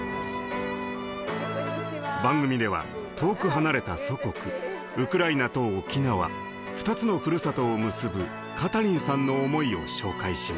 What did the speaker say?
番組では遠く離れた祖国ウクライナと沖縄２つのふるさとを結ぶカタリンさんの思いを紹介しました。